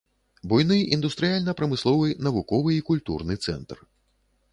Буйны індустрыяльна-прамысловы, навуковы і культурны цэнтр.